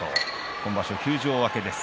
今場所休場明けです。